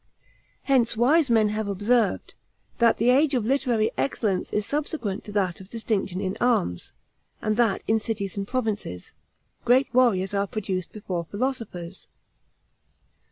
Hence, wise men have observed, that the age of literary excellence is subsequent to that of distinction in arms; and that in cities and provinces, great warriors are produced before philosophers.